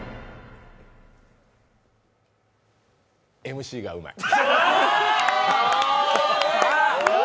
ＭＣがうまい。